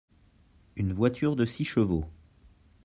Une voiture de six chevaux.